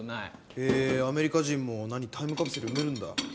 へぇアメリカ人も何タイムカプセル埋めるんだ？